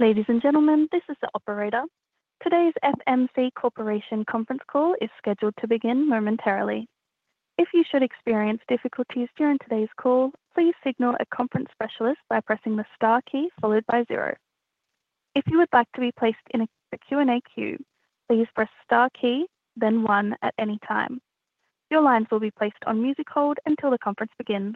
Ladies and gentlemen, this is the operator. Today's FMC Corporation conference call is scheduled to begin momentarily. If you should experience difficulties during today's call, please signal a conference specialist by pressing the star key followed by zero. If you would like to be placed in a Q&A queue, please press star key, then one at any time. Your lines will be placed on music hold until the conference begins.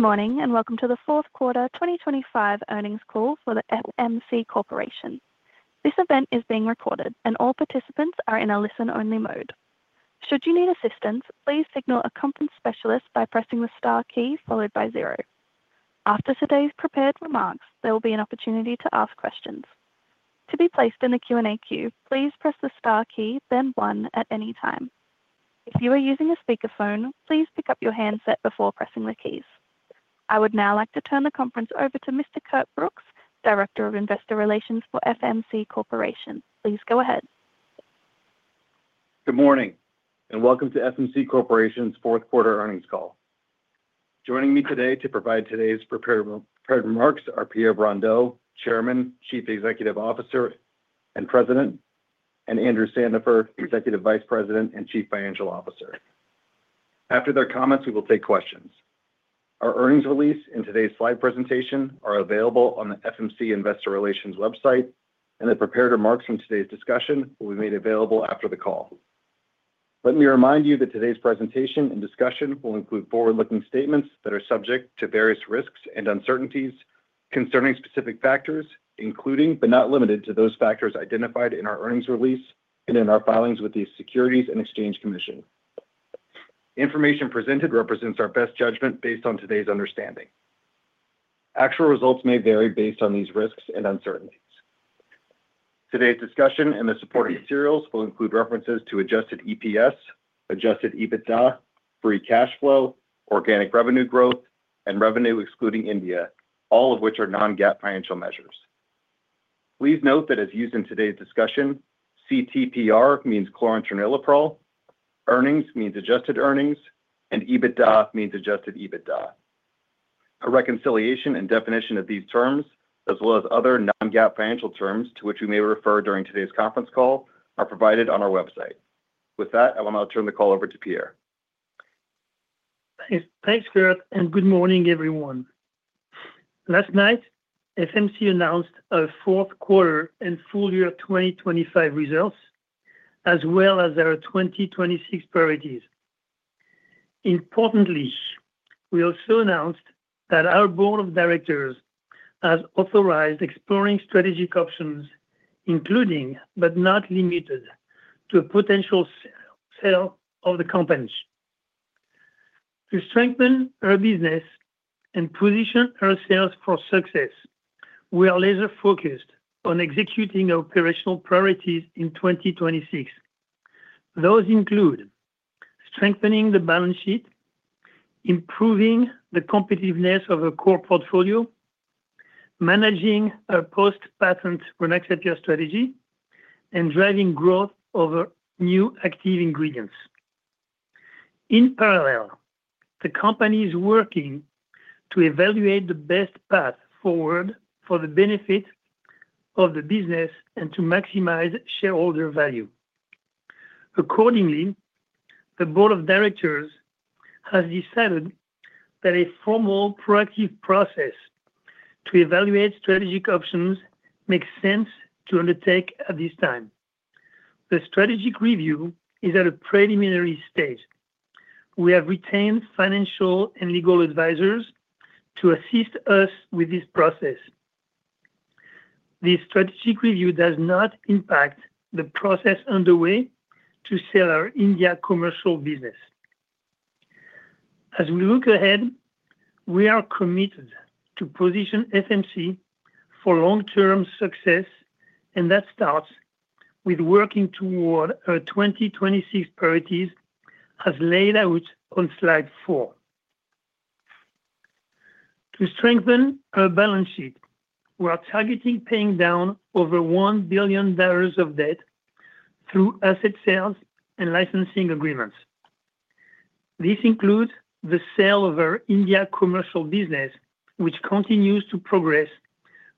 Good morning and welcome to the fourth quarter 2025 earnings call for the FMC Corporation. This event is being recorded, and all participants are in a listen-only mode. Should you need assistance, please signal a conference specialist by pressing the star key followed by zero. After today's prepared remarks, there will be an opportunity to ask questions. To be placed in the Q&A queue, please press the star key, then one at any time. If you are using a speakerphone, please pick up your handset before pressing the keys. I would now like to turn the conference over to Mr. Kurt Brooks, Director of Investor Relations for FMC Corporation. Please go ahead. Good morning and welcome to FMC Corporation's fourth quarter earnings call. Joining me today to provide today's prepared remarks are Pierre Brondeau, Chairman, Chief Executive Officer and President, and Andrew Sandifer, Executive Vice President and Chief Financial Officer. After their comments, we will take questions. Our earnings release and today's slide presentation are available on the FMC Investor Relations website, and the prepared remarks from today's discussion will be made available after the call. Let me remind you that today's presentation and discussion will include forward-looking statements that are subject to various risks and uncertainties concerning specific factors, including but not limited to those factors identified in our earnings release and in our filings with the Securities and Exchange Commission. Information presented represents our best judgment based on today's understanding. Actual results may vary based on these risks and uncertainties. Today's discussion and the supporting materials will include references to adjusted EPS, adjusted EBITDA, free cash flow, organic revenue growth, and revenue excluding India, all of which are non-GAAP financial measures. Please note that as used in today's discussion, CTPR means chlorantraniliprole, earnings means adjusted earnings, and EBITDA means adjusted EBITDA. A reconciliation and definition of these terms, as well as other non-GAAP financial terms to which we may refer during today's conference call, are provided on our website. With that, I will now turn the call over to Pierre. Thanks, Pierre, and good morning, everyone. Last night, FMC announced our fourth quarter and full year 2025 results, as well as our 2026 priorities. Importantly, we also announced that our board of directors has authorized exploring strategic options, including but not limited to a potential sale of the company. To strengthen our business and position our sales for success, we are laser-focused on executing our operational priorities in 2026. Those include strengthening the balance sheet, improving the competitiveness of our core portfolio, managing a post-patent Rynaxypyr strategy, and driving growth of our new active ingredients. In parallel, the company is working to evaluate the best path forward for the benefit of the business and to maximize shareholder value. Accordingly, the board of directors has decided that a formal proactive process to evaluate strategic options makes sense to undertake at this time. The strategic review is at a preliminary stage. We have retained financial and legal advisors to assist us with this process. The strategic review does not impact the process underway to sell our India commercial business. As we look ahead, we are committed to position FMC for long-term success, and that starts with working toward our 2026 priorities as laid out on slide four. To strengthen our balance sheet, we are targeting paying down over $1 billion of debt through asset sales and licensing agreements. This includes the sale of our India commercial business, which continues to progress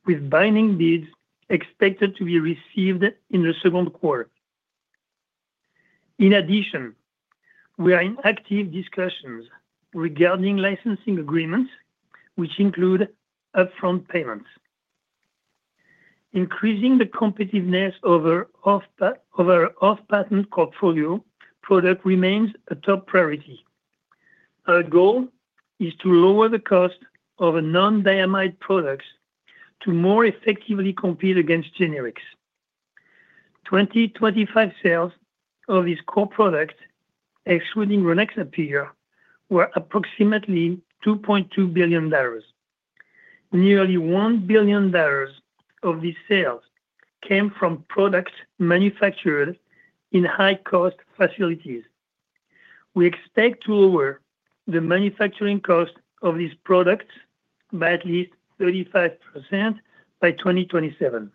with binding bids expected to be received in the second quarter. In addition, we are in active discussions regarding licensing agreements, which include upfront payments. Increasing the competitiveness of our off-patent portfolio product remains a top priority. Our goal is to lower the cost of non-diamide products to more effectively compete against generics. Twenty twenty five sales of this core product, excluding Rynaxypyr, were approximately $2.2 billion. Nearly $1 billion of these sales came from products manufactured in high-cost facilities. We expect to lower the manufacturing cost of these products by at least 35% by 2027.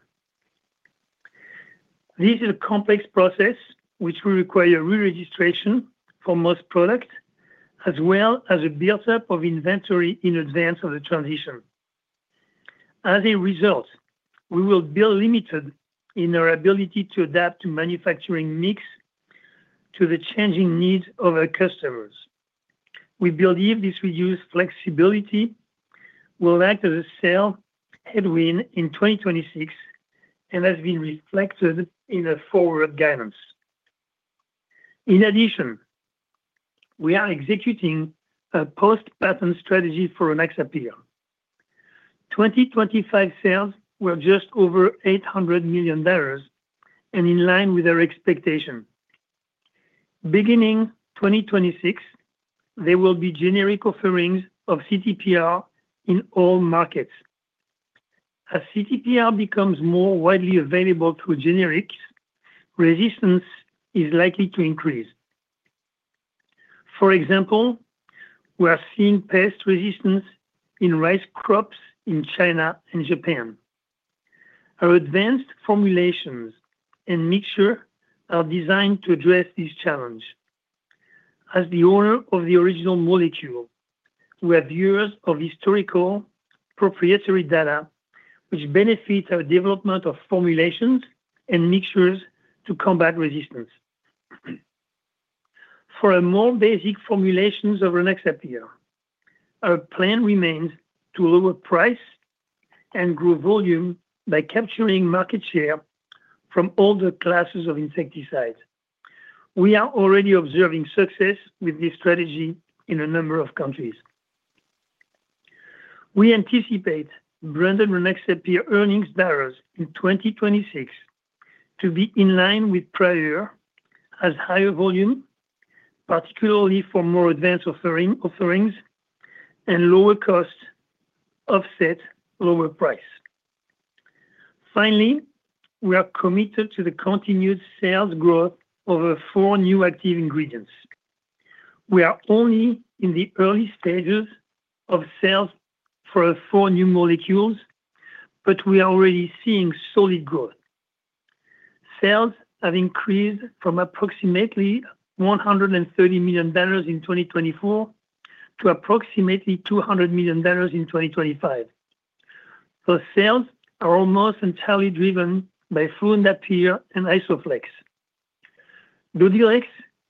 This is a complex process, which will require re-registration for most products, as well as a buildup of inventory in advance of the transition. As a result, we will be limited in our ability to adapt to manufacturing mix to the changing needs of our customers. We believe this reduced flexibility will act as a sale headwind in 2026 and has been reflected in our forward guidance. In addition, we are executing a post-patent strategy for Rynaxypyr. Twenty twenty five sales were just over $800 million and in line with our expectation. Beginning 2026, there will be generic offerings of CTPR in all markets. As CTPR becomes more widely available through generics, resistance is likely to increase. For example, we are seeing pest resistance in rice crops in China and Japan. Our advanced formulations and mixture are designed to address this challenge. As the owner of the original molecule, we have years of historical proprietary data which benefit our development of formulations and mixtures to combat resistance. For more basic formulations of Rynaxypyr, our plan remains to lower price and grow volume by capturing market share from all the classes of insecticides. We are already observing success with this strategy in a number of countries. We anticipate branded Rynaxypyr earnings barriers in 2026 to be in line with prior as higher volume, particularly for more advanced offerings, and lower cost offset lower price. Finally, we are committed to the continued sales growth of four new active ingredients. We are only in the early stages of sales for four new molecules, but we are already seeing solid growth. Sales have increased from approximately $130-$200 million in 2024 to approximately $200 million in 2025. Those sales are almost entirely driven by fluindapyr and Isoflex. Dodhylex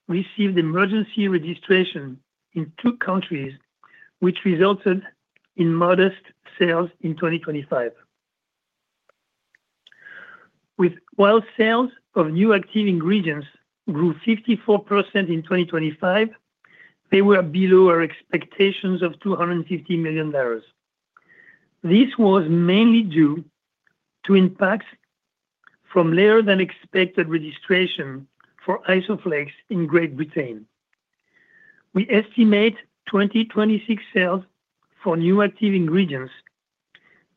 received emergency registration in two countries, which resulted in modest sales in 2025. While sales of new active ingredients grew 54% in 2025, they were below our expectations of $250 million. This was mainly due to impacts from lower-than-expected registration for Isoflex in Great Britain. We estimate 2026 sales for new active ingredients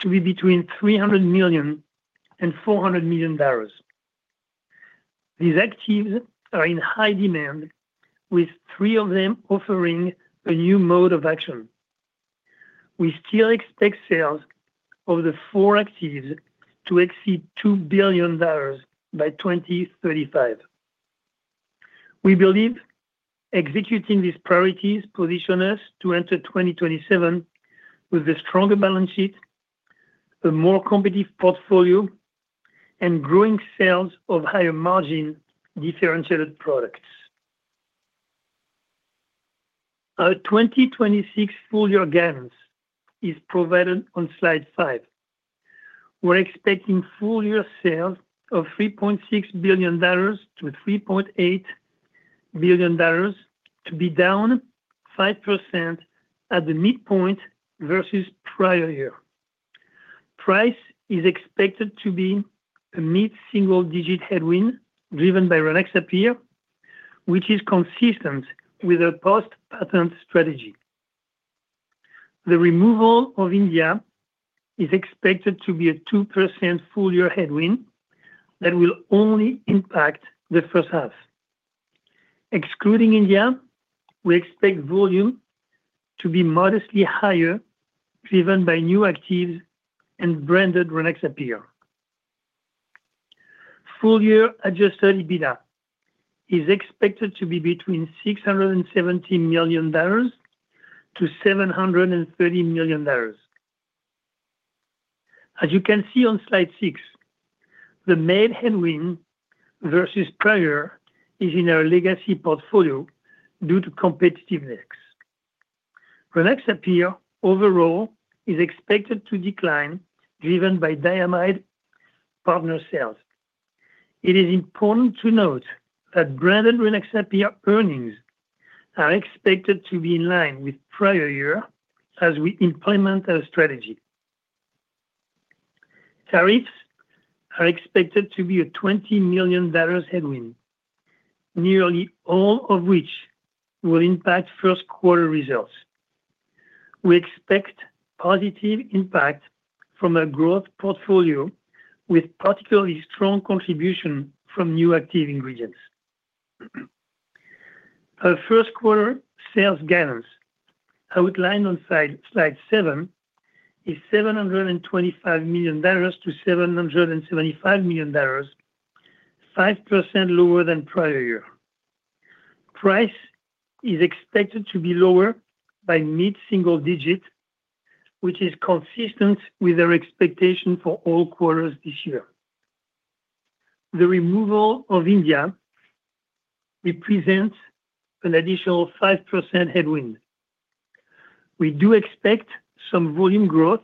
to be between $300 million and $400 million. These actives are in high demand, with three of them offering a new mode of action. We still expect sales of the four actives to exceed $2 billion by 2035. We believe executing these priorities position us to enter 2027 with a stronger balance sheet, a more competitive portfolio, and growing sales of higher-margin differentiated products. Our 2026 full year guidance is provided on slide five. We're expecting full year sales of $3.6-$3.8 billion to be down 5% at the midpoint versus prior year. Price is expected to be a mid-single-digit headwind driven by Rynaxypyr, which is consistent with our post-patent strategy. The removal of India is expected to be a 2% full year headwind that will only impact the first half. Excluding India, we expect volume to be modestly higher driven by new actives and branded Rynaxypyr. Full year adjusted EBITDA is expected to be between $670 million-$730 million. As you can see on slide six, the main headwind versus prior is in our legacy portfolio due to competitiveness. Rynaxypyr overall is expected to decline driven by diamide partner sales. It is important to note that branded Rynaxypyr earnings are expected to be in line with prior year as we implement our strategy. Tariffs are expected to be a $20 million headwind, nearly all of which will impact first quarter results. We expect positive impact from a growth portfolio with particularly strong contribution from new active ingredients. Our first quarter sales guidance outlined on slide seven is $725 million-$775 million, 5% lower than prior year. Price is expected to be lower by mid-single digit, which is consistent with our expectation for all quarters this year. The removal of India represents an additional 5% headwind. We do expect some volume growth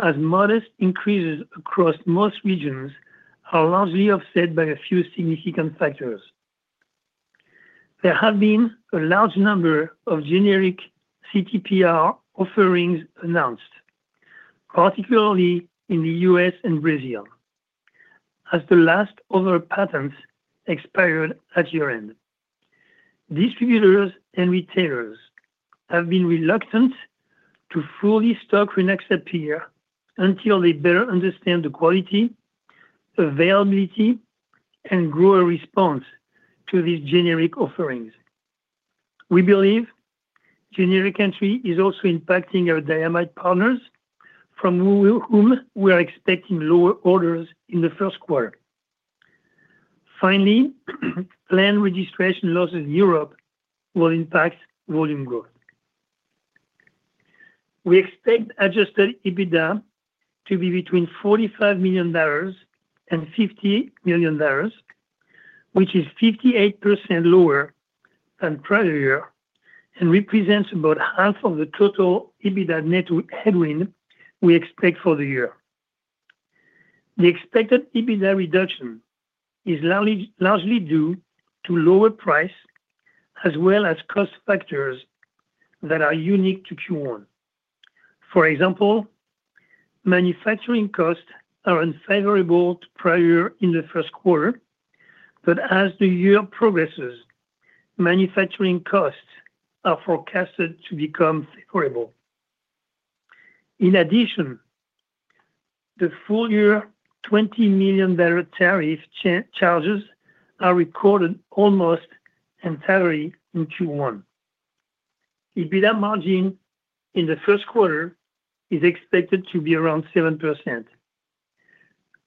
as modest increases across most regions are largely offset by a few significant factors. There have been a large number of generic CTPR offerings announced, particularly in the U.S. and Brazil, as the last of our patents expired at year-end. Distributors and retailers have been reluctant to fully stock Rynaxypyr until they better understand the quality, availability, and grower response to these generic offerings. We believe generic entry is also impacting our diamide partners, from whom we are expecting lower orders in the first quarter. Finally, planned registration losses in Europe will impact volume growth. We expect adjusted EBITDA to be between $45 million and $50 million, which is 58% lower than prior year and represents about half of the total EBITDA net headwind we expect for the year. The expected EBITDA reduction is largely due to lower price as well as cost factors that are unique to Q1. For example, manufacturing costs are unfavorable to prior year in the first quarter, but as the year progresses, manufacturing costs are forecasted to become favorable. In addition, the full year $20 million tariff charges are recorded almost entirely in Q1. EBITDA margin in the first quarter is expected to be around 7%.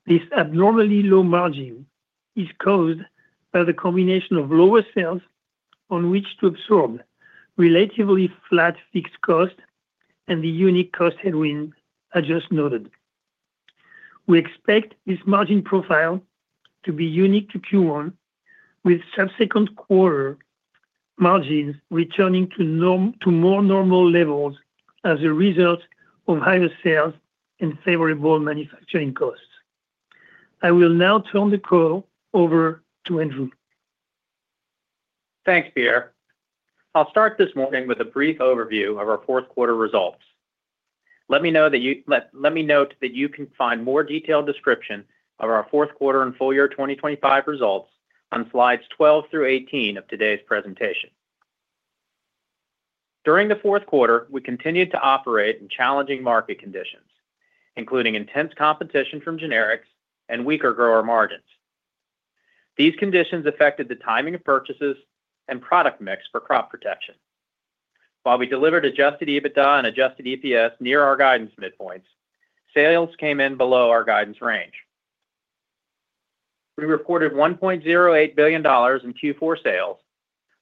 This abnormally low margin is caused by the combination of lower sales on which to absorb relatively flat fixed cost and the unique cost headwind I just noted. We expect this margin profile to be unique to Q1, with subsequent quarter margins returning to more normal levels as a result of higher sales and favorable manufacturing costs. I will now turn the call over to Andrew. Thanks, Pierre. I'll start this morning with a brief overview of our fourth quarter results. Let me note that you can find more detailed description of our fourth quarter and full year 2025 results on slides 12 through 18 of today's presentation. During the fourth quarter, we continued to operate in challenging market conditions, including intense competition from generics and weaker grower margins. These conditions affected the timing of purchases and product mix for crop protection. While we delivered adjusted EBITDA and adjusted EPS near our guidance midpoints, sales came in below our guidance range. We reported $1.08 billion in Q4 sales,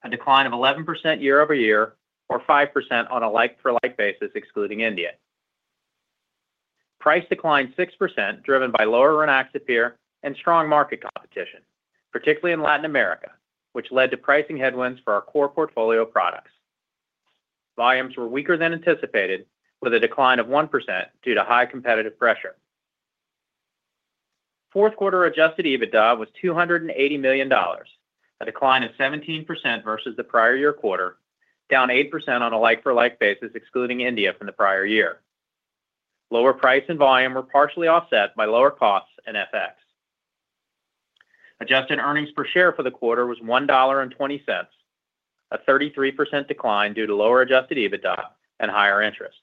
a decline of 11% year-over-year or 5% on a like-for-like basis excluding India. Price declined 6% driven by lower Rynaxypyr and strong market competition, particularly in Latin America, which led to pricing headwinds for our core portfolio products. Volumes were weaker than anticipated, with a decline of 1% due to high competitive pressure. Fourth quarter adjusted EBITDA was $280 million, a decline of 17% versus the prior year quarter, down 8% on a like-for-like basis excluding India from the prior year. Lower price and volume were partially offset by lower costs and FX. Adjusted earnings per share for the quarter was $1.20, a 33% decline due to lower adjusted EBITDA and higher interest.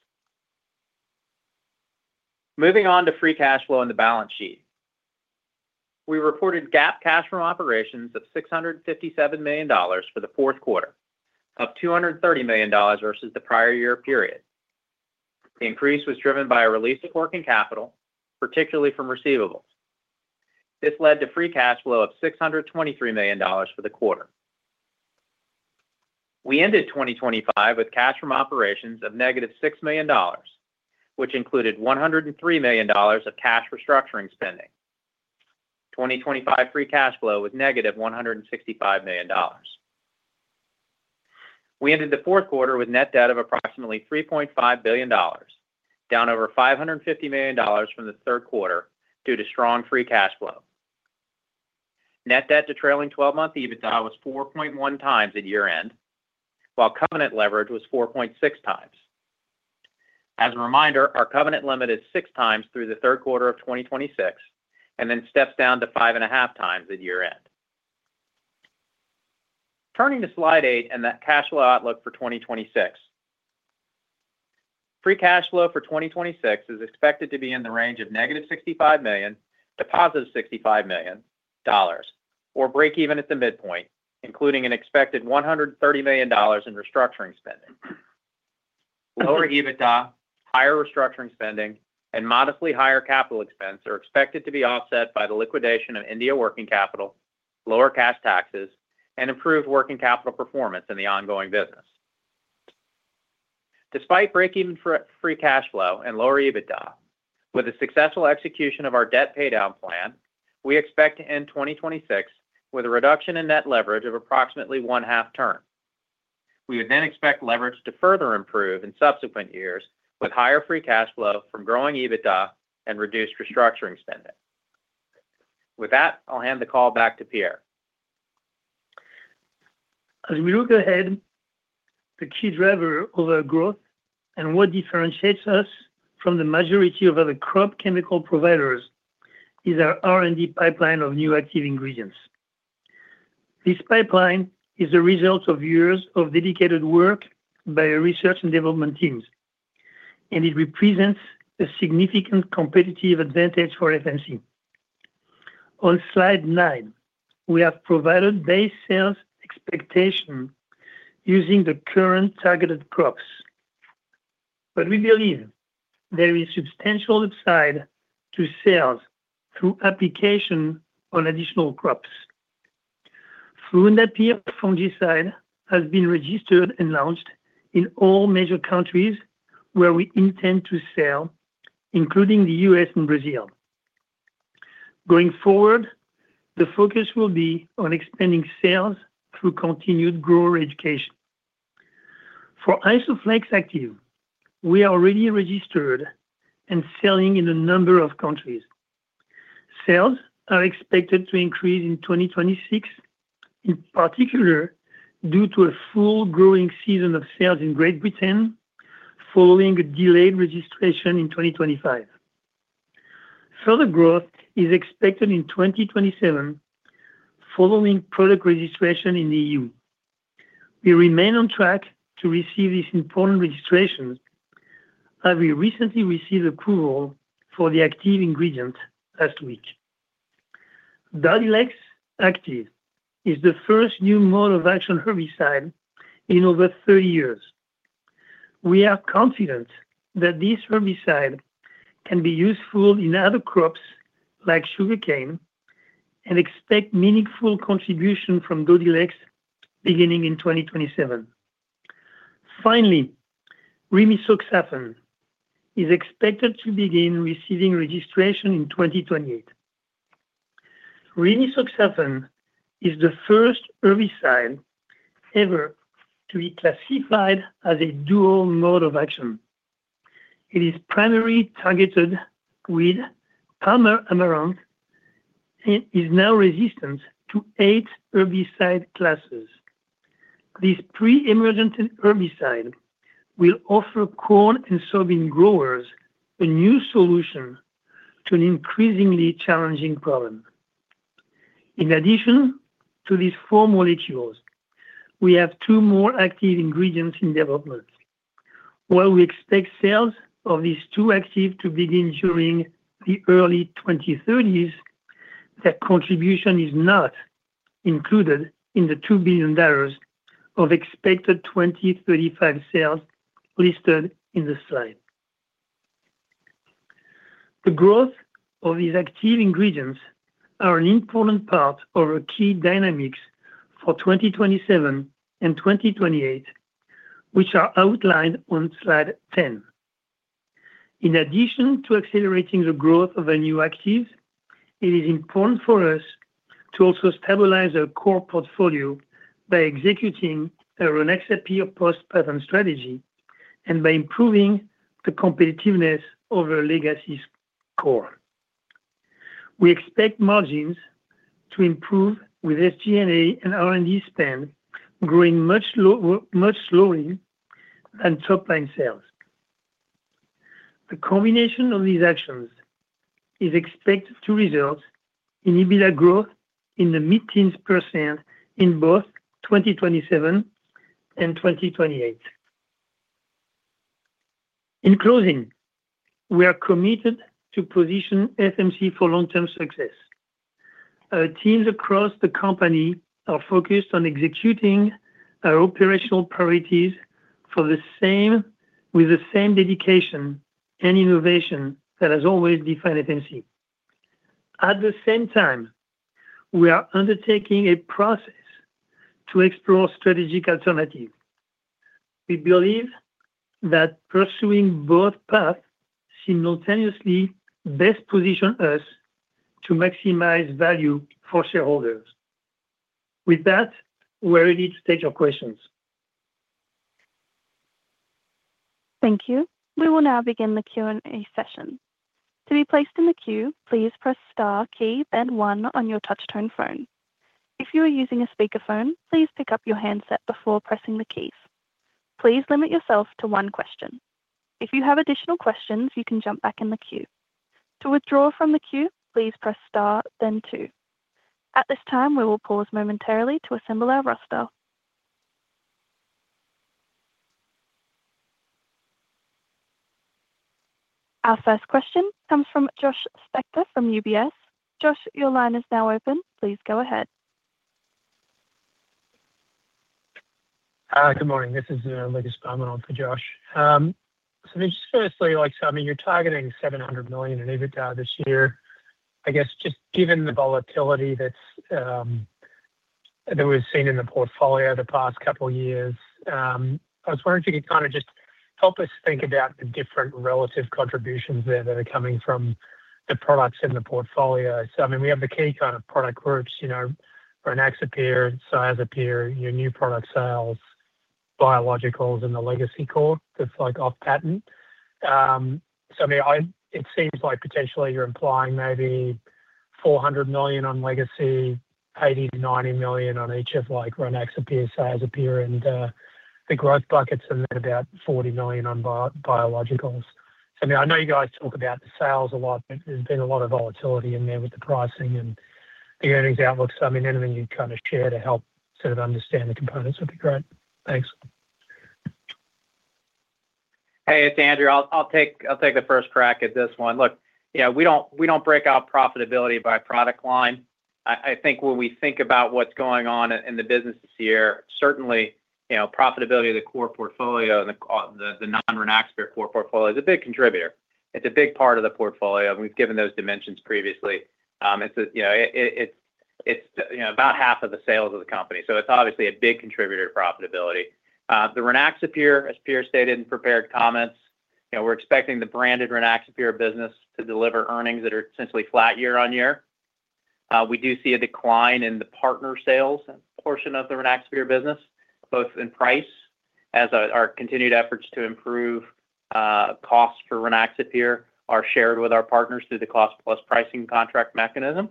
Moving on to free cash flow in the balance sheet, we reported GAAP cash from operations of $657 million for the fourth quarter, up $230 million versus the prior year period. The increase was driven by a release of working capital, particularly from receivables. This led to free cash flow of $623 million for the quarter. We ended 2025 with cash from operations of -$6 million, which included $103 million of cash restructuring spending. Twenty twenty five free cash flow was negative $165 million. We ended the fourth quarter with net debt of approximately $3.5 billion, down over $550 million from the third quarter due to strong free cash flow. Net debt to trailing 12-month EBITDA was 4.1 times at year-end, while covenant leverage was 4.6 times. As a reminder, our covenant limit is 6 times through the third quarter of 2026 and then steps down to 5.5 times at year-end. Turning to slide eight and that cash flow outlook for 2026, free cash flow for 2026 is expected to be in the range of negative $65 million to positive $65 million, or break even at the midpoint, including an expected $130 million in restructuring spending. Lower EBITDA, higher restructuring spending, and modestly higher capital expense are expected to be offset by the liquidation of India working capital, lower cash taxes, and improved working capital performance in the ongoing business. Despite break-even free cash flow and lower EBITDA, with a successful execution of our debt paydown plan, we expect to end 2026 with a reduction in net leverage of approximately one-half turn. We would then expect leverage to further improve in subsequent years with higher free cash flow from growing EBITDA and reduced restructuring spending. With that, I'll hand the call back to Pierre. As we look ahead, the key driver of our growth and what differentiates us from the majority of other crop chemical providers is our R&D pipeline of new active ingredients. This pipeline is the result of years of dedicated work by our research and development teams, and it represents a significant competitive advantage for FMC. On slide nine, we have provided base sales expectation using the current targeted crops, but we believe there is substantial upside to sales through application on additional crops. fluindapyr fungicide has been registered and launched in all major countries where we intend to sell, including the U.S. and Brazil. Going forward, the focus will be on expanding sales through continued grower education. For Isoflex active, we are already registered and selling in a number of countries. Sales are expected to increase in 2026, in particular due to a full growing season of sales in Great Britain following a delayed registration in 2025. Further growth is expected in 2027 following product registration in the EU. We remain on track to receive these important registrations, as we recently received approval for the active ingredient last week. Dodhylex active is the first new mode of action herbicide in over 30 years. We are confident that this herbicide can be useful in other crops like sugarcane and expect meaningful contribution from Dodhylex beginning in 2027. Finally, Rimisoxafen is expected to begin receiving registration in 2028. Rimisoxafen is the first herbicide ever to be classified as a dual mode of action. It is primarily targeted with Palmer Amaranth and is now resistant to eight herbicide classes. This pre-emergent herbicide will offer corn and soybean growers a new solution to an increasingly challenging problem. In addition to these four molecules, we have two more active ingredients in development. While we expect sales of these two active to begin during the early 2030s, their contribution is not included in the $2 billion of expected 2035 sales listed in the slide. The growth of these active ingredients are an important part of our key dynamics for 2027 and 2028, which are outlined on slide 10. In addition to accelerating the growth of our new actives, it is important for us to also stabilize our core portfolio by executing a Rynaxypyr post-patent strategy and by improving the competitiveness of our legacy core. We expect margins to improve with SG&A and R&D spend growing much slower than top-line sales. The combination of these actions is expected to result in EBITDA growth in the mid-teens percent in both 2027 and 2028. In closing, we are committed to position FMC for long-term success. Our teams across the company are focused on executing our operational priorities with the same dedication and innovation that has always defined FMC. At the same time, we are undertaking a process to explore strategic alternatives. We believe that pursuing both paths simultaneously best positions us to maximize value for shareholders. With that, we're ready to take your questions. Thank you. We will now begin the Q&A session. To be placed in the queue, please press star, key, then one on your touchscreen phone. If you are using a speakerphone, please pick up your handset before pressing the keys. Please limit yourself to one question. If you have additional questions, you can jump back in the queue. To withdraw from the queue, please press star, then two. At this time, we will pause momentarily to assemble our roster. Our first question comes from Josh Spector from UBS. Josh, your line is now open. Please go ahead. Hi. Good morning. This is Alex Amarant for Josh. So just firstly, so I mean, you're targeting $700 million in EBITDA this year. I guess just given the volatility that was seen in the portfolio the past couple of years, I was wondering if you could kind of just help us think about the different relative contributions there that are coming from the products in the portfolio. So I mean, we have the key kind of product groups: Rynaxypyr, Cyazypyr, new product sales, biologicals, and the legacy core that's off-patent. So I mean, it seems like potentially you're implying maybe $400 million on legacy, $80-$90 million on each of Rynaxypyr, Cyazypyr, and the growth buckets, and then about $40 million on biologicals. So I mean, I know you guys talk about the sales a lot, but there's been a lot of volatility in there with the pricing and the earnings outlook. So I mean, anything you'd kind of share to help sort of understand the components would be great. Thanks. Hey, it's Andrew. I'll take the first crack at this one. Look, we don't break out profitability by product line. I think when we think about what's going on in the business this year, certainly profitability of the core portfolio and the non-Rynaxypyr core portfolio is a big contributor. It's a big part of the portfolio, and we've given those dimensions previously. It's about half of the sales of the company. So it's obviously a big contributor to profitability. The Rynaxypyr, as Pierre stated in prepared comments, we're expecting the branded Rynaxypyr business to deliver earnings that are essentially flat year-on-year. We do see a decline in the partner sales portion of the Rynaxypyr business, both in price, as our continued efforts to improve costs for Rynaxypyr are shared with our partners through the cost-plus pricing contract mechanism,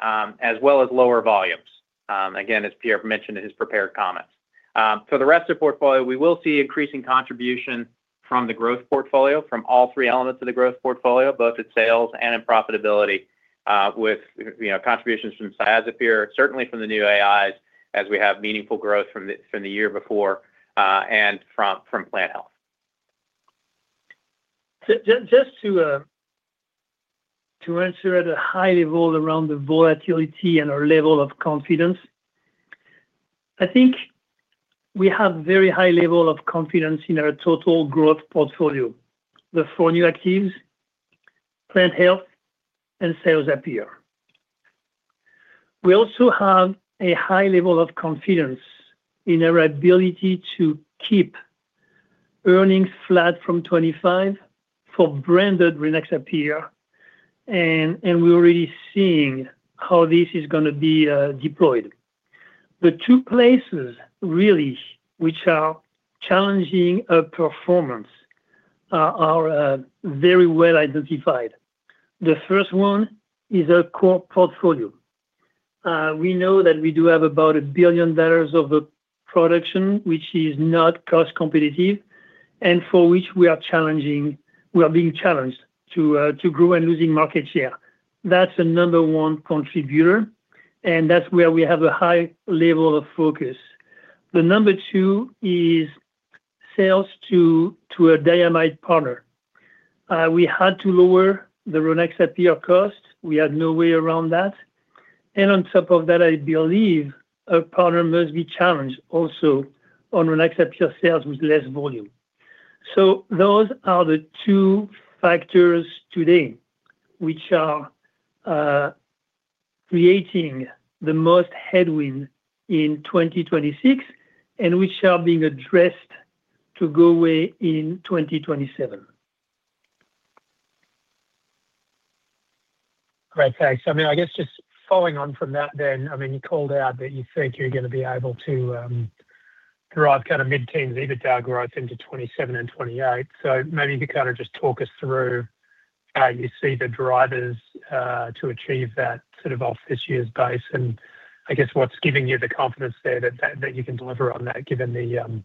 as well as lower volumes. Again, as Pierre mentioned in his prepared comments. For the rest of the portfolio, we will see increasing contribution from the growth portfolio, from all three elements of the growth portfolio, both in sales and in profitability, with contributions from Cyazypyr, certainly from the new AIs as we have meaningful growth from the year before and from plant health. Just to answer at a high level around the volatility and our level of confidence, I think we have a very high level of confidence in our total growth portfolio: the four new actives, plant health, and Cyazypyr. We also have a high level of confidence in our ability to keep earnings flat from 2025 for branded Rynaxypyr, and we're already seeing how this is going to be deployed. The two places, really, which are challenging our performance are very well identified. The first one is our core portfolio. We know that we do have about $1 billion of production, which is not cost-competitive and for which we are being challenged to grow and losing market share. That's a number one contributor, and that's where we have a high level of focus. The number two is sales to a dynamite partner. We had to lower the Rynaxypyr cost. We had no way around that. On top of that, I believe a partner must be challenged also on Rynaxypyr sales with less volume. Those are the two factors today which are creating the most headwind in 2026 and which are being addressed to go away in 2027. Great. Thanks. I mean, I guess just following on from that then, I mean, you called out that you think you're going to be able to drive kind of mid-teens EBITDA growth into 2027 and 2028. So maybe you could kind of just talk us through how you see the drivers to achieve that sort of off this year's base and I guess what's giving you the confidence there that you can deliver on that given the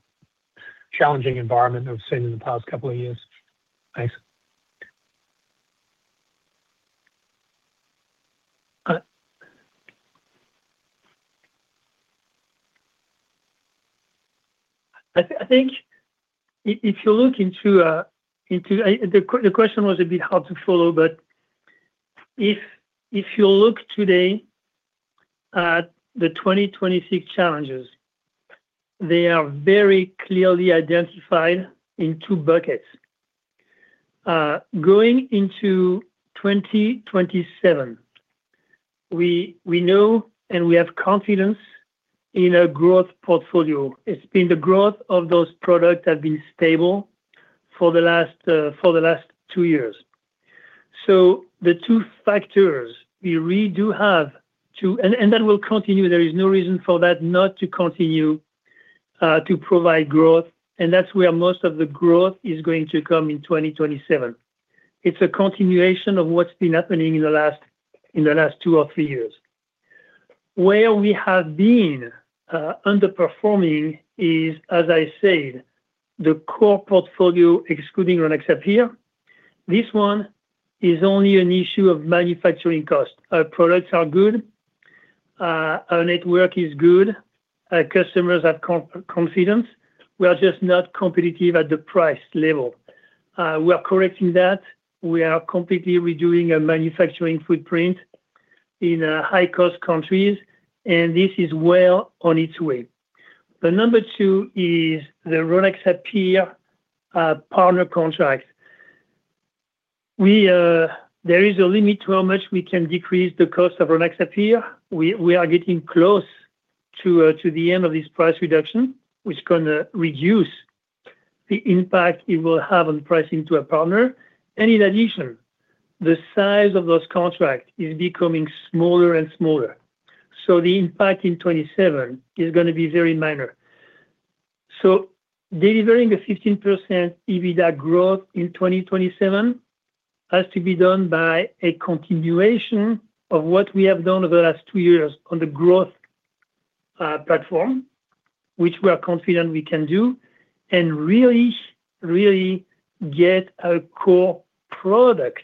challenging environment we've seen in the past couple of years? Thanks. I think if you look into the question was a bit hard to follow, but if you look today at the 2026 challenges, they are very clearly identified in two buckets. Going into 2027, we know and we have confidence in our growth portfolio. It's been the growth of those products that have been stable for the last two years. So the two factors we really do have to and that will continue. There is no reason for that not to continue to provide growth, and that's where most of the growth is going to come in 2027. It's a continuation of what's been happening in the last two or three years. Where we have been underperforming is, as I said, the core portfolio excluding Rynaxypyr. This one is only an issue of manufacturing cost. Our products are good. Our network is good. Our customers have confidence. We are just not competitive at the price level. We are correcting that. We are completely redoing our manufacturing footprint in high-cost countries, and this is well on its way. The number two is the Rynaxypyr partner contract. There is a limit to how much we can decrease the cost of Rynaxypyr. We are getting close to the end of this price reduction, which is going to reduce the impact it will have on pricing to a partner. And in addition, the size of those contracts is becoming smaller and smaller. So the impact in 2027 is going to be very minor. Delivering a 15% EBITDA growth in 2027 has to be done by a continuation of what we have done over the last two years on the growth platform, which we are confident we can do, and really, really get our core products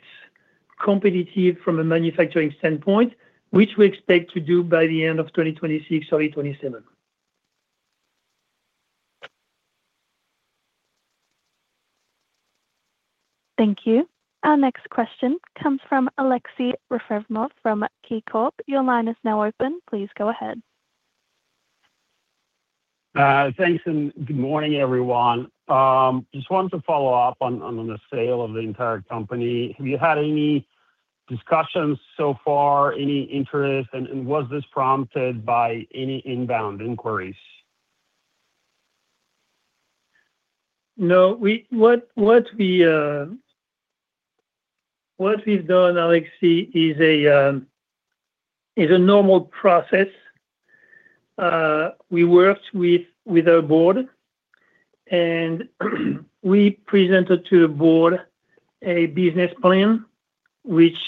competitive from a manufacturing standpoint, which we expect to do by the end of 2026, early 2027. Thank you. Our next question comes from Aleksey Yefremov from KeyBanc Capital Markets. Your line is now open. Please go ahead. Thanks, and good morning, everyone. Just wanted to follow up on the sale of the entire company. Have you had any discussions so far, any interest, and was this prompted by any inbound inquiries? No. What we've done, Aleksey, is a normal process. We worked with our board, and we presented to the board a business plan, which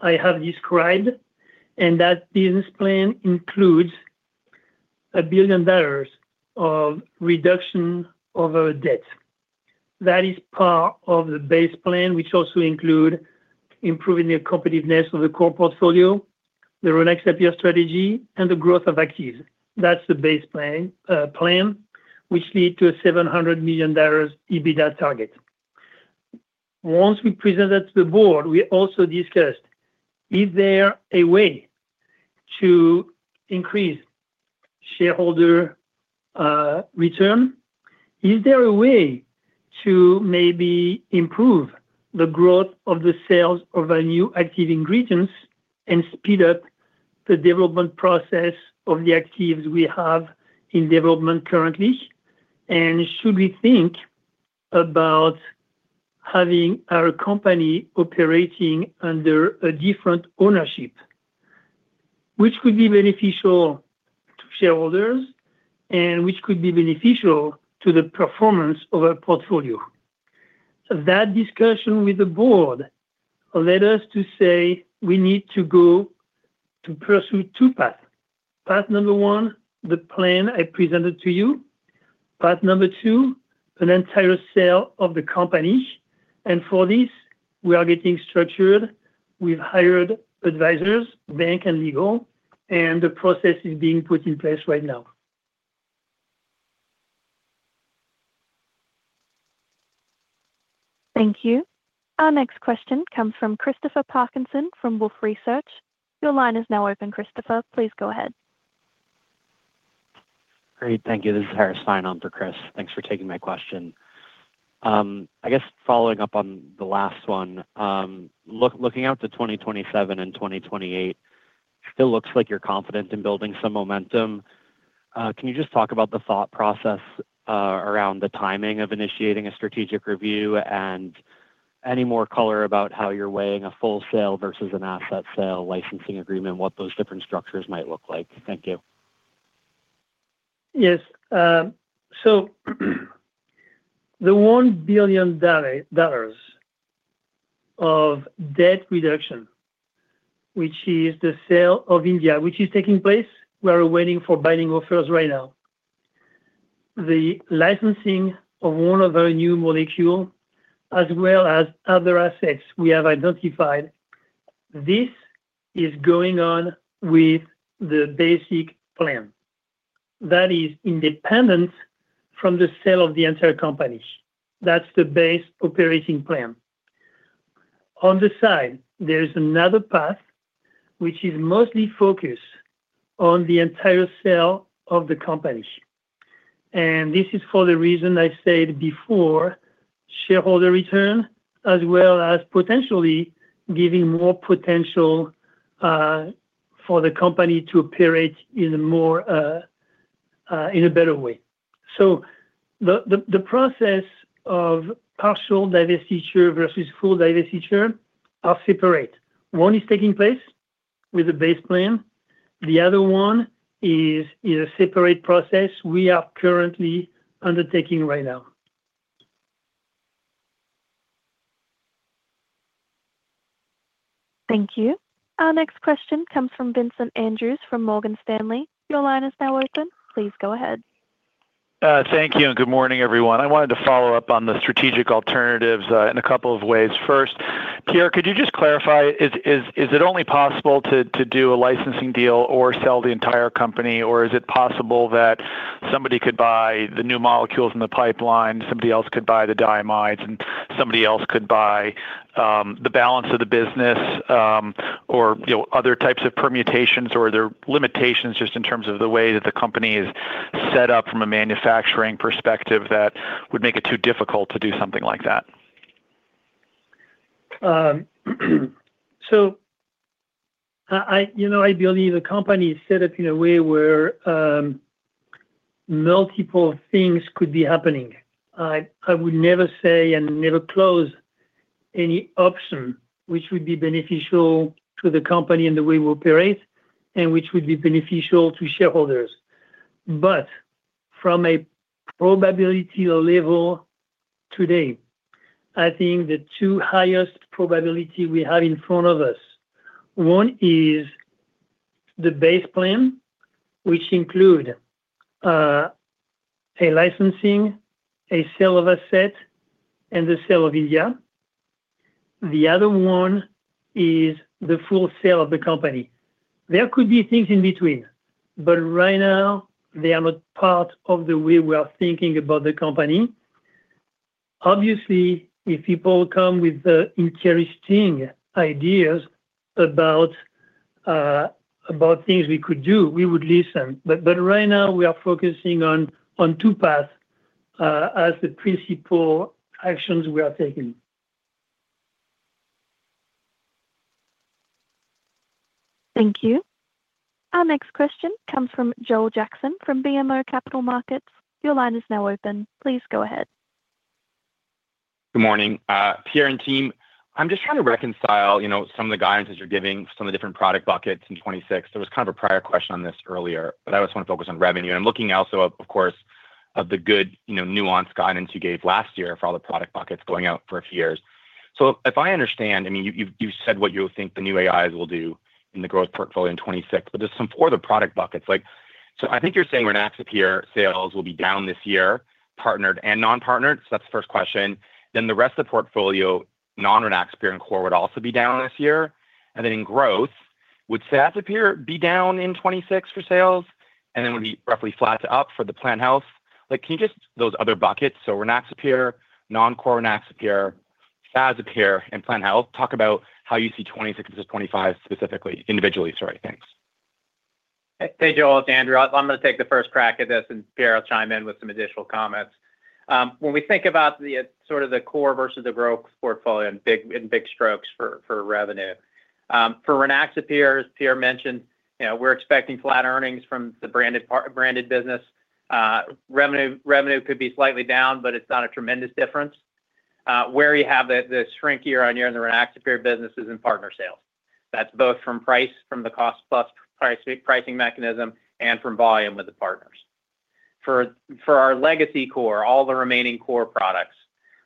I have described, and that business plan includes $1 billion of reduction of our debt. That is part of the base plan, which also includes improving the competitiveness of the core portfolio, the Rynaxypyr strategy, and the growth of actives. That's the base plan, which leads to a $700 million EBITDA target. Once we presented to the board, we also discussed, "Is there a way to increase shareholder return? Is there a way to maybe improve the growth of the sales of our new active ingredients and speed up the development process of the actives we have in development currently? And should we think about having our company operating under a different ownership, which could be beneficial to shareholders and which could be beneficial to the performance of our portfolio?" That discussion with the board led us to say we need to go to pursue two paths. Path number one, the plan I presented to you. Path number two, an entire sale of the company. And for this, we are getting structured. We've hired advisors, bank and legal, and the process is being put in place right now. Thank you. Our next question comes from Christopher Parkinson from Wolfe Research. Your line is now open, Christopher. Please go ahead. Great. Thank you. This is Harris Fein for Chris. Thanks for taking my question. I guess following up on the last one, looking out to 2027 and 2028, it still looks like you're confident in building some momentum. Can you just talk about the thought process around the timing of initiating a strategic review and any more color about how you're weighing a full sale versus an asset sale, licensing agreement, what those different structures might look like? Thank you. Yes. So the $1 billion of debt reduction, which is the sale of India, which is taking place, we are waiting for buying offers right now, the licensing of one of our new molecules, as well as other assets we have identified, this is going on with the basic plan. That is independent from the sale of the entire company. That's the base operating plan. On the side, there is another path which is mostly focused on the entire sale of the company. And this is for the reason I said before, shareholder return, as well as potentially giving more potential for the company to operate in a better way. So the process of partial divestiture versus full divestiture are separate. One is taking place with a base plan. The other one is a separate process we are currently undertaking right now. Thank you. Our next question comes from Vincent Andrews from Morgan Stanley. Your line is now open. Please go ahead. Thank you and good morning, everyone. I wanted to follow up on the strategic alternatives in a couple of ways. First, Pierre, could you just clarify, is it only possible to do a licensing deal or sell the entire company, or is it possible that somebody could buy the new molecules in the pipeline, somebody else could buy the diamides, and somebody else could buy the balance of the business, or other types of permutations, or are there limitations just in terms of the way that the company is set up from a manufacturing perspective that would make it too difficult to do something like that? So I believe a company is set up in a way where multiple things could be happening. I would never say and never close any option which would be beneficial to the company and the way we operate and which would be beneficial to shareholders. But from a probability level today, I think the two highest probability we have in front of us, one is the base plan, which includes a licensing, a sale of assets, and the sale of India. The other one is the full sale of the company. There could be things in between, but right now, they are not part of the way we are thinking about the company. Obviously, if people come with interesting ideas about things we could do, we would listen. But right now, we are focusing on two paths as the principal actions we are taking. Thank you. Our next question comes from Joel Jackson from BMO Capital Markets. Your line is now open. Please go ahead. Good morning, Pierre and team. I'm just trying to reconcile some of the guidance that you're giving for some of the different product buckets in 2026. There was kind of a prior question on this earlier, but I just want to focus on revenue. And I'm looking also, of course, at the good nuanced guidance you gave last year for all the product buckets going out for a few years. So if I understand, I mean, you've said what you think the new AIs will do in the growth portfolio in 2026, but just some for the product buckets. So I think you're saying Rynaxypyr sales will be down this year, partnered and non-partnered. So that's the first question. Then the rest of the portfolio, non-Rynaxypyr and Core, would also be down this year. And then in growth, would Cyazypyr be down in 2026 for sales and then would be roughly flat to up for the Plant Health? Can you just those other buckets, so Rynaxypyr, non-Core Rynaxypyr, Cyazypyr, and Plant Health, talk about how you see 2026 versus 2025 specifically, individually? Sorry. Thanks. Hey, Joel its Andrew. I'm going to take the first crack at this, and Pierre will chime in with some additional comments. When we think about sort of the core versus the growth portfolio in big strokes for revenue, for Rynaxypyr, as Pierre mentioned, we're expecting flat earnings from the branded business. Revenue could be slightly down, but it's not a tremendous difference. Where you have the shrink year-on-year in the Rynaxypyr business is in partner sales. That's both from price, from the cost-plus pricing mechanism, and from volume with the partners. For our legacy core, all the remaining core products,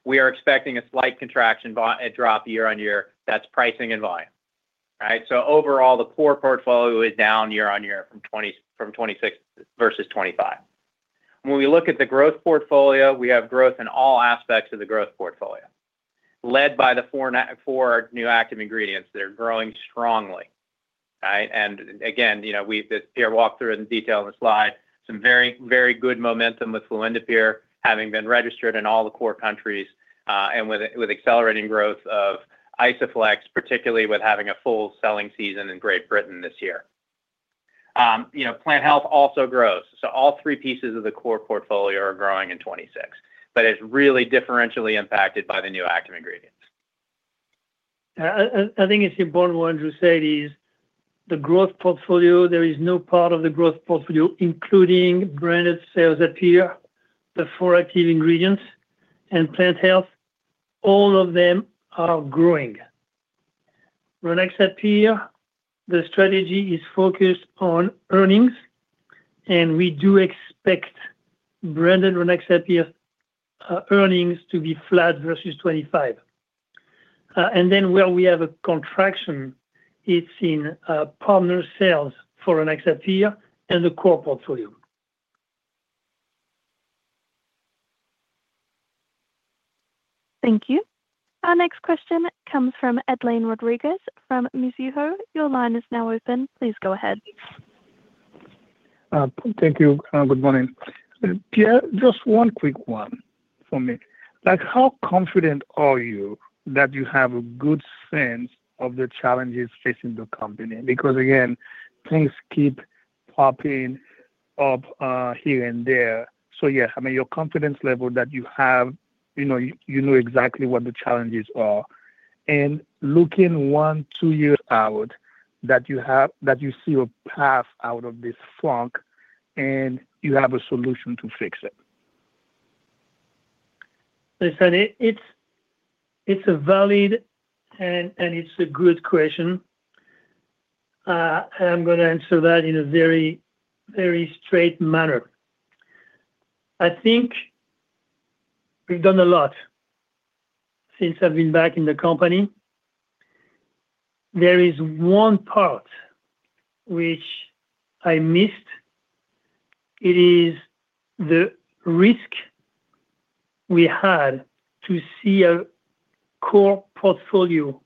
we are expecting a slight contraction, a drop year-on-year. That's pricing and volume, right? So overall, the core portfolio is down year-on-year from 2026 versus 2025. When we look at the growth portfolio, we have growth in all aspects of the growth portfolio, led by the four new active ingredients. They're growing strongly, right? And again, as Pierre walked through in detail on the slide, some very, very good momentum with fluindapyr having been registered in all the core countries and with accelerating growth of Isoflex, particularly with having a full selling season in Great Britain this year. Plant Health also grows. So all three pieces of the core portfolio are growing in 2026, but it's really differentially impacted by the new active ingredients. Yeah. I think it's important one, Drew, to say, is the growth portfolio, there is no part of the growth portfolio including branded Cyazypyr, the four active ingredients, and Plant Health, all of them are growing. Rynaxypyr, the strategy is focused on earnings, and we do expect branded Rynaxypyr earnings to be flat versus 2025. And then where we have a contraction, it's in partner sales for Rynaxypyr and the core portfolio. Thank you. Our next question comes from Edlain Rodriguez from Mizuho. Your line is now open. Please go ahead. Thank you. Good morning. Pierre, just one quick one for me. How confident are you that you have a good sense of the challenges facing the company? Because again, things keep popping up here and there. So yeah, I mean, your confidence level that you have, you know exactly what the challenges are. And looking one, two. Out that you see a path out of this funk and you have a solution to fix it? As I said, it's a valid and it's a good question. I'm going to answer that in a very, very straight manner. I think we've done a lot since I've been back in the company. There is one part which I missed. It is the risk we had to see a core portfolio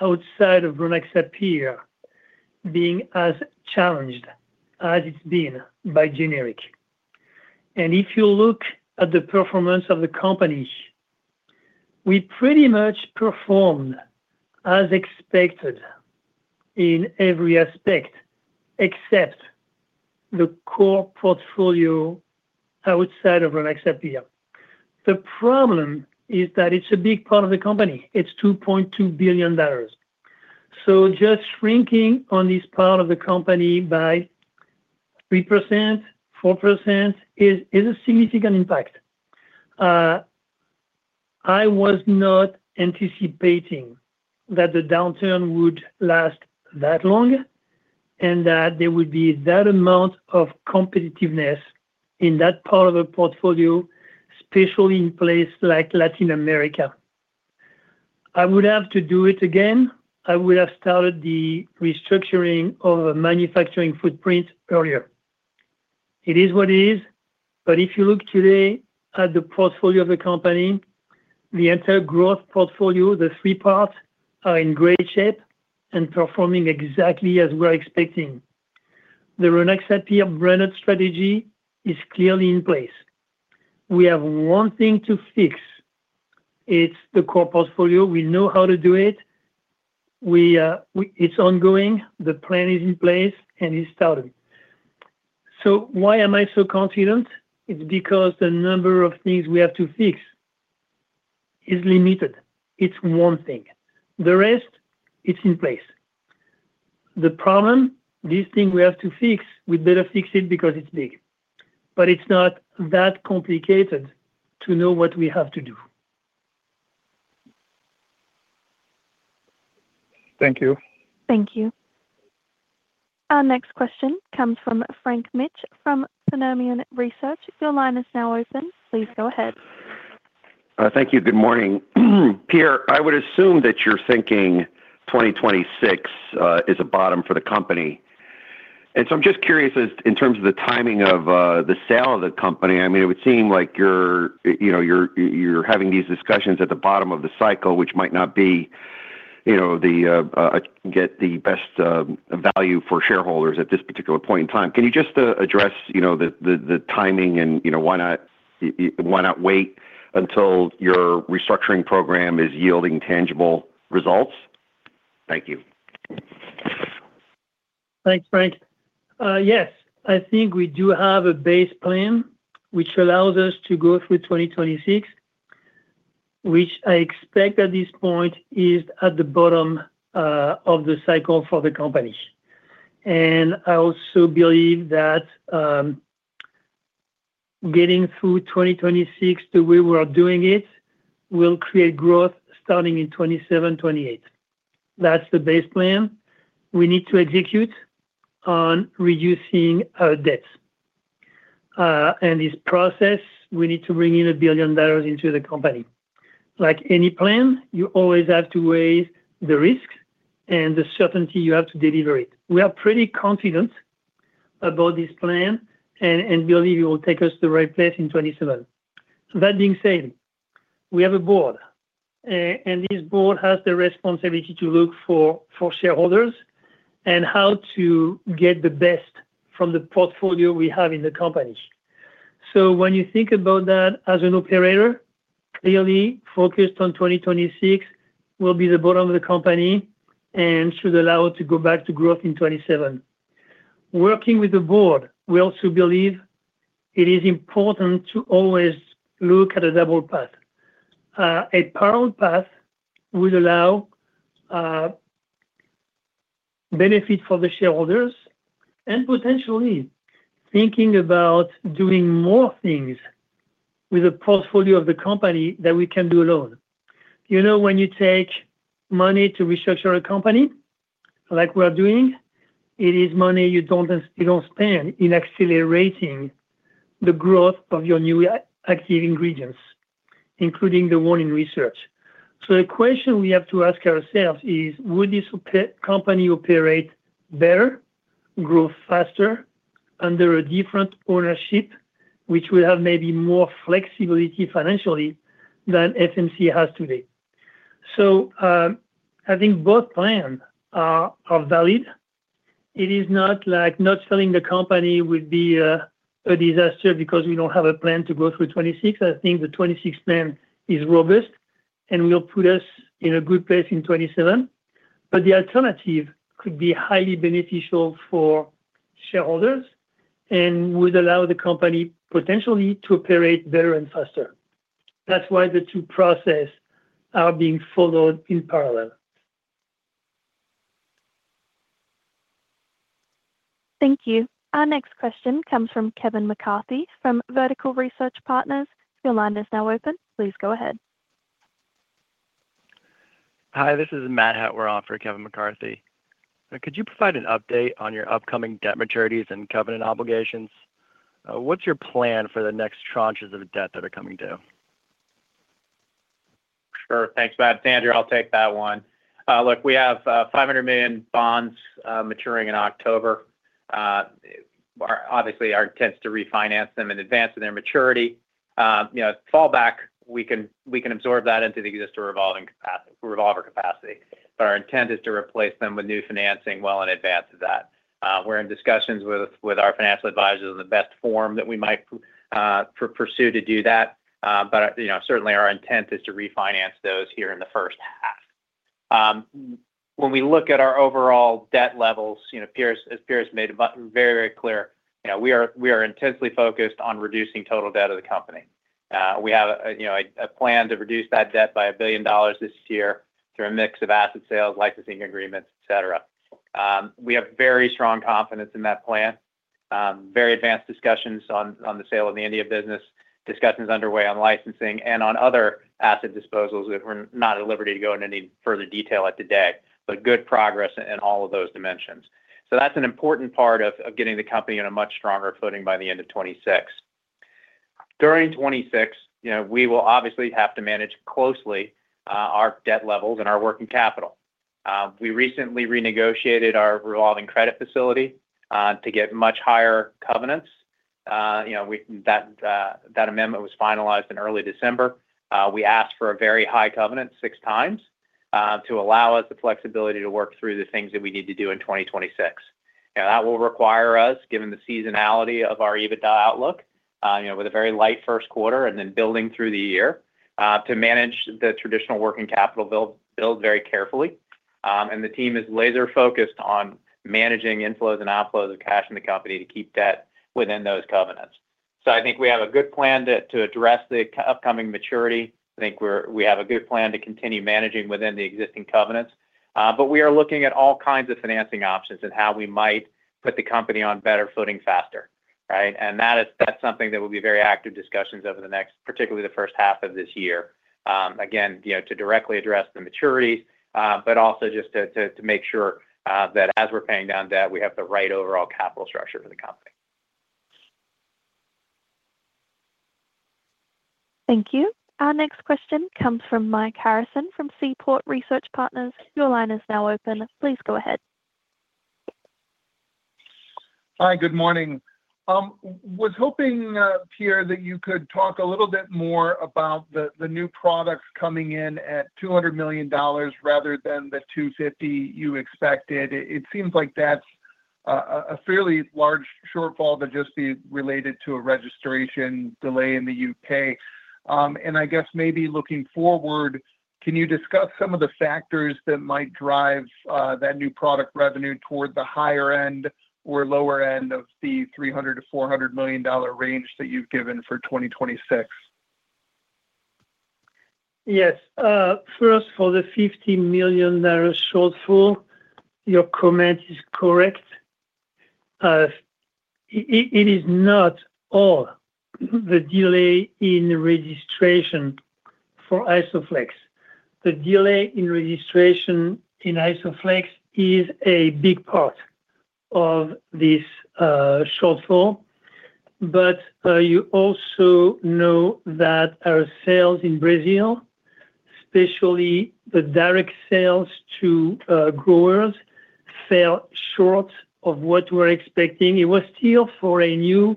outside of Rynaxypyr being as challenged as it's been by generics. If you look at the performance of the company, we pretty much performed as expected in every aspect except the core portfolio outside of Rynaxypyr. The problem is that it's a big part of the company. It's $2.2 billion. So just shrinking on this part of the company by 3%-4% is a significant impact. I was not anticipating that the downturn would last that long and that there would be that amount of competitiveness in that part of the portfolio, especially in places like Latin America. I would have to do it again. I would have started the restructuring of a manufacturing footprint earlier. It is what it is. But if you look today at the portfolio of the company, the entire growth portfolio, the three parts, are in great shape and performing exactly as we're expecting. The Rynaxypyr branded strategy is clearly in place. We have one thing to fix. It's the core portfolio. We know how to do it. It's ongoing. The plan is in place, and it's started. So why am I so confident? It's because the number of things we have to fix is limited. It's one thing. The rest, it's in place. The problem, this thing we have to fix, we better fix it because it's big. But it's not that complicated to know what we have to do. Thank you. Thank you. Our next question comes from Frank Mitsch from Fermium Research. Your line is now open. Please go ahead. Thank you. Good morning. Pierre, I would assume that you're thinking 2026 is a bottom for the company. And so I'm just curious in terms of the timing of the sale of the company. I mean, it would seem like you're having these discussions at the bottom of the cycle, which might not be to get the best value for shareholders at this particular point in time. Can you just address the timing and why not wait until your restructuring program is yielding tangible results? Thank you. Thanks, Frank. Yes. I think we do have a base plan which allows us to go through 2026, which I expect at this point is at the bottom of the cycle for the company. And I also believe that getting through 2026 the way we are doing it will create growth starting in 2027, 2028. That's the base plan we need to execute on reducing our debts. And this process, we need to bring in $1 billion into the company. Like any plan, you always have to weigh the risks and the certainty you have to deliver it. We are pretty confident about this plan and believe it will take us to the right place in 2027. That being said, we have a board. And this board has the responsibility to look for shareholders and how to get the best from the portfolio we have in the company. So when you think about that as an operator, clearly focused on 2026 will be the bottom of the company and should allow it to go back to growth in 2027. Working with the board, we also believe it is important to always look at a double path. A parallel path would allow benefit for the shareholders and potentially thinking about doing more things with the portfolio of the company that we can do alone. When you take money to restructure a company like we are doing, it is money you don't spend in accelerating the growth of your new active ingredients, including the one in research. So the question we have to ask ourselves is, would this company operate better, grow faster, under a different ownership which will have maybe more flexibility financially than FMC has today? So I think both plans are valid. It is not like not selling the company would be a disaster because we don't have a plan to go through 2026. I think the 2026 plan is robust and will put us in a good place in 2027. But the alternative could be highly beneficial for shareholders and would allow the company potentially to operate better and faster. That's why the two processes are being followed in parallel. Thank you. Our next question comes from Kevin McCarthy from Vertical Research Partners. Your line is now open. Please go ahead. Hi. This is Matt Hutworth for Kevin McCarthy. Could you provide an update on your upcoming debt maturities and covenant obligations? What's your plan for the next tranches of debt that are coming due? Sure. Thanks, Matt. Its Andrew, I'll take that one. Look, we have $500 million bonds maturing in October. Obviously, our intent is to refinance them in advance of their maturity. Fallback, we can absorb that into the existing revolver capacity. But our intent is to replace them with new financing well in advance of that. We're in discussions with our financial advisors on the best form that we might pursue to do that. But certainly, our intent is to refinance those here in the first half. When we look at our overall debt levels, as Pierre has made very, very clear, we are intensely focused on reducing total debt of the company. We have a plan to reduce that debt by $1 billion this year through a mix of asset sales, licensing agreements, etc. We have very strong confidence in that plan, very advanced discussions on the sale of the India business, discussions underway on licensing, and on other asset disposals that we're not at liberty to go into any further detail at today. But good progress in all of those dimensions. So that's an important part of getting the company on a much stronger footing by the end of 2026. During 2026, we will obviously have to manage closely our debt levels and our working capital. We recently renegotiated our revolving credit facility to get much higher covenants. That amendment was finalized in early December. We asked for a very high covenant 6 times to allow us the flexibility to work through the things that we need to do in 2026. That will require us, given the seasonality of our EBITDA outlook with a very light first quarter and then building through the year, to manage the traditional working capital bill very carefully. The team is laser-focused on managing inflows and outflows of cash in the company to keep debt within those covenants. I think we have a good plan to address the upcoming maturity. I think we have a good plan to continue managing within the existing covenants. We are looking at all kinds of financing options and how we might put the company on better footing faster, right? That's something that will be very active discussions over the next, particularly the first half of this year, again, to directly address the maturities, but also just to make sure that as we're paying down debt, we have the right overall capital structure for the company. Thank you. Our next question comes from Mike Harrison from Seaport Research Partners. Your line is now open. Please go ahead. Hi. Good morning. Was hoping, Pierre, that you could talk a little bit more about the new products coming in at $200 million rather than the $250 million you expected. It seems like that's a fairly large shortfall to just be related to a registration delay in the U.K. I guess maybe looking forward, can you discuss some of the factors that might drive that new product revenue toward the higher end or lower end of the $300-$400 million range that you've given for 2026? Yes. First, for the $50 million shortfall, your comment is correct. It is not all the delay in registration for Isoflex. The delay in registration in Isoflex is a big part of this shortfall. But you also know that our sales in Brazil, especially the direct sales to growers, fell short of what we were expecting. It was still for a new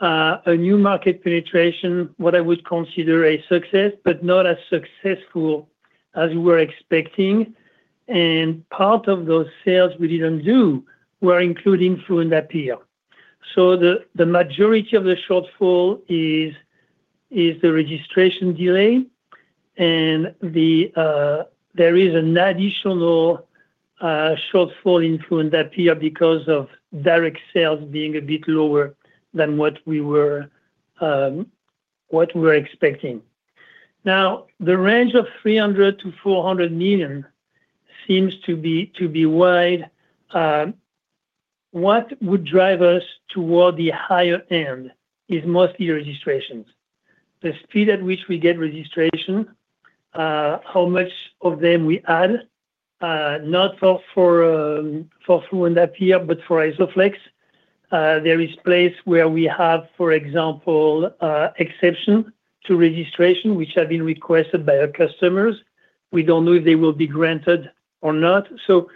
market penetration, what I would consider a success, but not as successful as we were expecting. And part of those sales we didn't do were including fluindapyr. So the majority of the shortfall is the registration delay. And there is an additional shortfall in fluindapyr because of direct sales being a bit lower than what we were expecting. Now, the range of $300 million-$400 million seems to be wide. What would drive us toward the higher end is mostly registrations, the speed at which we get registration, how much of them we add, not for fluindapyr but for Isoflex. There is a place where we have, for example, exceptions to registration which have been requested by our customers. We don't know if they will be granted or not. So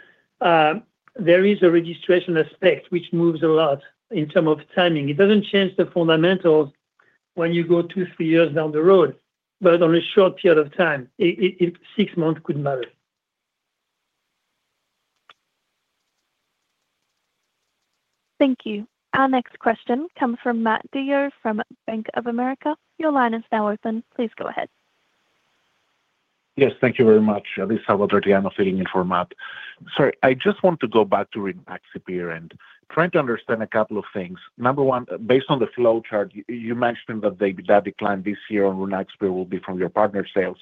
there is a registration aspect which moves a lot in terms of timing. It doesn't change the fundamentals when you go two, three years down the road. But on a short period of time, six months could matter. Thank you. Our next question comes from Matt DeYoe from Bank of America. Your line is now open. Please go ahead. Yes. Thank you very much. At least how well that I am feeling in format. Sorry. I just want to go back to Rynaxypyr and trying to understand a couple of things. Number one, based on the flow chart, you mentioned that the EBITDA decline this year on Rynaxypyr will be from your partner sales.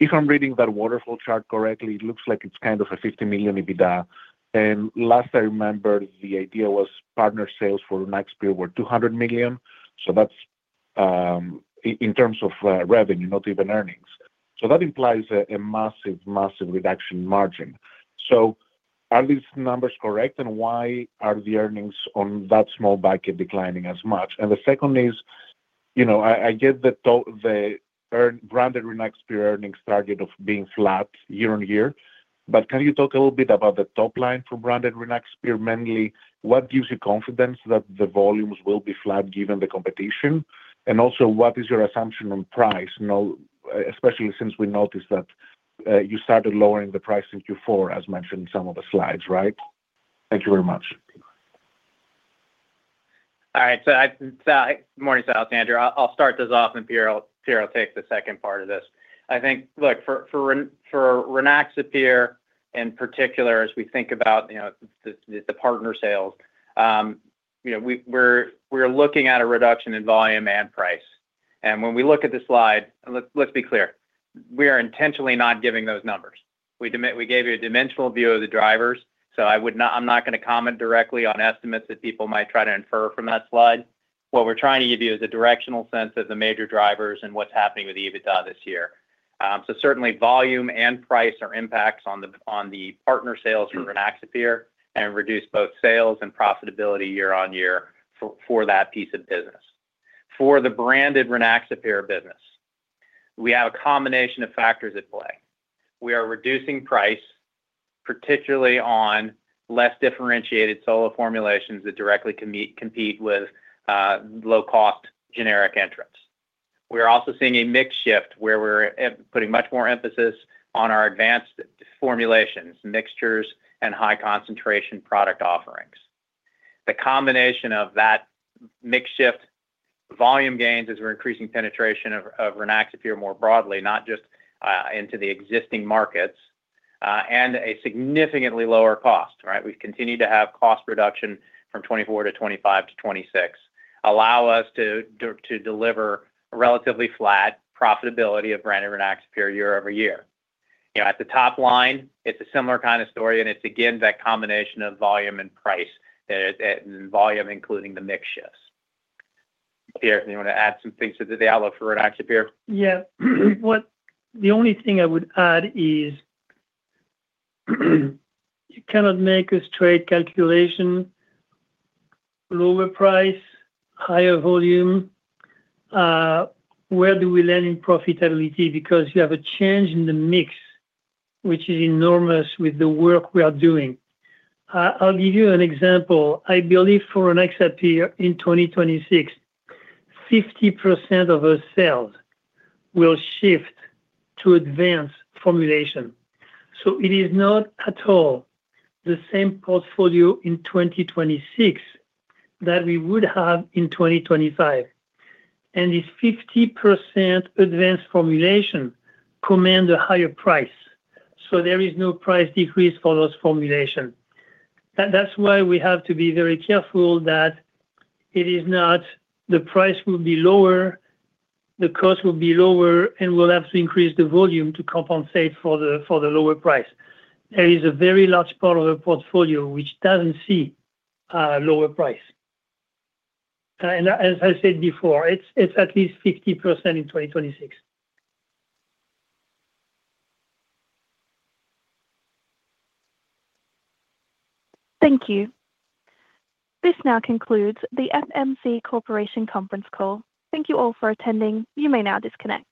If I'm reading that waterfall chart correctly, it looks like it's kind of a $50 million EBITDA. And last I remember, the idea was partner sales for Rynaxypyr were $200 million. So that's in terms of revenue, not even earnings. So that implies a massive, massive reduction margin. So are these numbers correct? And why are the earnings on that small bucket declining as much? And the second is, I get the branded Rynaxypyr earnings target of being flat year-over-year. But can you talk a little bit about the top line for branded Rynaxypyr? Mainly, what gives you confidence that the volumes will be flat given the competition? And also, what is your assumption on price, especially since we noticed that you started lowering the price in Q4, as mentioned in some of the slides, right? Thank you very much. All right. Good morning, Matt De Yoe. Andrew here, I'll start this off and Pierre will take the second part of this. I think, look, for Rynaxypyr in particular, as we think about the partner sales, we're looking at a reduction in volume and price. When we look at the slide and let's be clear, we are intentionally not giving those numbers. We gave you a dimensional view of the drivers. So I'm not going to comment directly on estimates that people might try to infer from that slide. What we're trying to give you is a directional sense of the major drivers and what's happening with EBITDA this year. So certainly, volume and price are impacts on the partner sales for Rynaxypyr and reduce both sales and profitability year-over-year for that piece of business. For the branded Rynaxypyr business, we have a combination of factors at play. We are reducing price, particularly on less differentiated solo formulations that directly compete with low-cost generic entrants. We are also seeing a mix shift where we're putting much more emphasis on our advanced formulations, mixtures, and high-concentration product offerings. The combination of that mix shift, volume gains as we're increasing penetration of Rynaxypyr more broadly, not just into the existing markets, and a significantly lower cost, right? We've continued to have cost reduction from 2024 to 2025 to 2026, allow us to deliver a relatively flat profitability of branded Rynaxypyr year-over-year. At the top line, it's a similar kind of story. It's, again, that combination of volume and price, volume including the mix shifts. Pierre, do you want to add some things to the outlook for Rynaxypyr? Yeah. The only thing I would add is you cannot make a straight calculation, lower price, higher volume. Where do we land in profitability? Because you have a change in the mix which is enormous with the work we are doing. I'll give you an example. I believe for Rynaxypyr in 2026, 50% of our sales will shift to advanced formulation. So it is not at all the same portfolio in 2026 that we would have in 2025. And this 50% advanced formulation commands a higher price. So there is no price decrease for those formulations. That's why we have to be very careful that it is not the price will be lower, the cost will be lower, and we'll have to increase the volume to compensate for the lower price. There is a very large part of our portfolio which doesn't see a lower price. As I said before, it's at least 50% in 2026. Thank you. This now concludes the FMC Corporation conference call. Thank you all for attending. You may now disconnect.